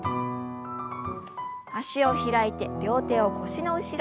脚を開いて両手を腰の後ろ。